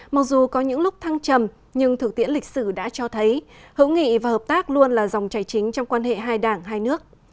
mặc dù có những lúc thăng trầm nhưng thực tiễn lịch sử đã cho thấy hữu nghị và hợp tác luôn là dòng cháy chính trong quan hệ hai đảng hai nước